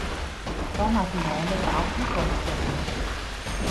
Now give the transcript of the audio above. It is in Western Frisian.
Dan moatte jo in bepaald útgongspunt ha.